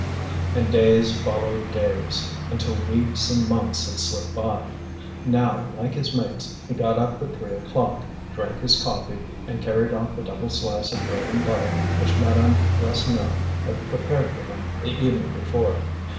And days followed days, until weeks and months had slipped by. Now, like his mates, he got up at three o'clock, drank his coffee, and carried off the double slice of bread and butter which Madame Rasseneur had prepared for him the evening before.